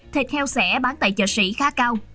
thịt heo xẻ bán tại chợ sĩ khá cao